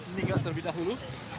ini enggak terbitah dulu